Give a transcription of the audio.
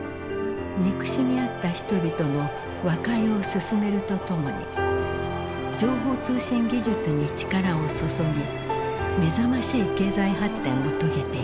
憎しみ合った人々の和解を進めるとともに情報通信技術に力を注ぎ目覚ましい経済発展を遂げている。